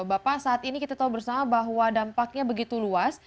bapak saat ini kita tahu bersama bahwa dampaknya begitu luas